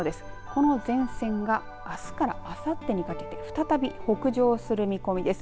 この前線があすからあさってにかけて再び北上する見込みです。